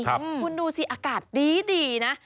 คุณดูสิอากาศดีนะ